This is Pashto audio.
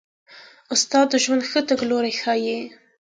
استاد د ژوندانه ښه تګلوری ښيي.